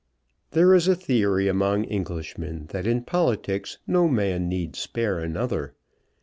There is a theory among Englishmen that in politics no man need spare another.